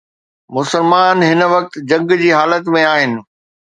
مسلمان هن وقت جنگ جي حالت ۾ آهن.